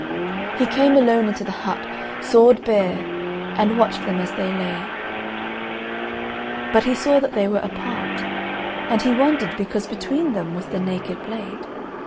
He came alone into the hut, sword bare, and watched them as they lay: but he saw that they were apart, and he wondered because between them was the naked blade.